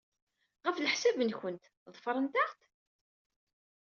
Ɣef leḥsab-nwent, ḍefrent-aɣ-d?